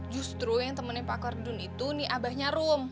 justru yang temannya pak kardun itu nih abahnya rum